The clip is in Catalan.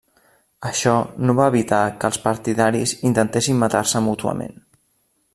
Això no va evitar que els partidaris intentessin matar-se mútuament.